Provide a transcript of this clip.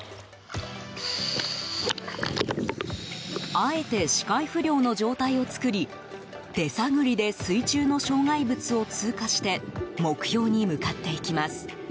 あえて視界不良の状態を作り手探りで水中の障害物を通過して目標に向かっていきます。